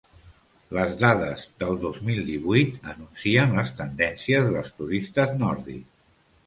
Les dades del dos mil divuit anuncien les tendències dels turistes nòrdics.